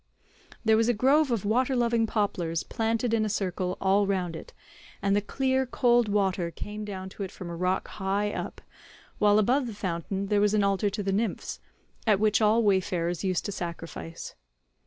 There was a grove of water loving poplars planted in a circle all round it, and the clear cold water came down to it from a rock high up,143 while above the fountain there was an altar to the nymphs, at which all wayfarers used to sacrifice.